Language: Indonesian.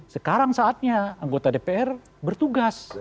sekarang saatnya anggota dpr bertugas